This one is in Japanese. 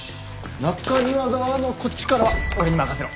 中庭側のこっちからは俺に任せろ。